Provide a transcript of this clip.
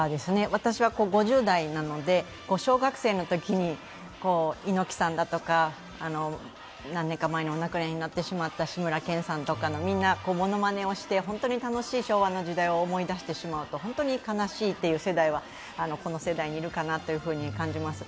私は５０代なので小学生のときに猪木さんだとか、何年か前にお亡くなりなってしまった志村けんさんなどのみんなものまねをして、本当に楽しい昭和の時代を思い出して本当に悲しいという世代はこの世代にいるかなと感じます。